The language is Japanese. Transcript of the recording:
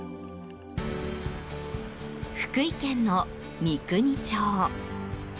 福井県の三国町。